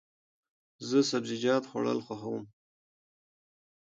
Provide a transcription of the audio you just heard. زه سبزیجات خوړل خوښوم.